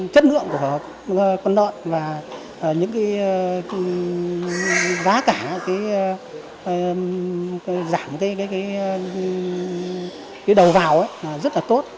chất lượng của con đoạn và giá cả giảm đầu vào rất là tốt